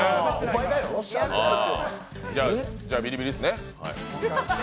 じゃあ、ビリビリ椅子ね。